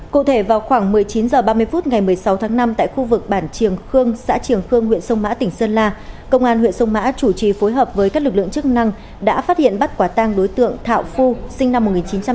cụ thể vào khoảng một mươi chín h ba mươi phút ngày một mươi sáu tháng năm tại khu vực bản triềng khương xã trường khương huyện sông mã tỉnh sơn la công an huyện sông mã chủ trì phối hợp với các lực lượng chức năng đã phát hiện bắt quả tang đối tượng thạo phu sinh năm một nghìn chín trăm tám mươi